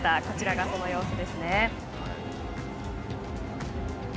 こちらがその様子ですね。